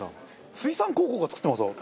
水産高校が作ってますわ！